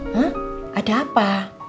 hah ada apa